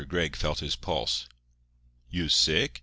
Gregg felt his pulse. "You sick?"